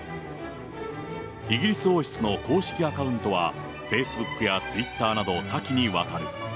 イギリス王室の公式アカウントはフェイスブックやツイッターなど、多岐にわたる。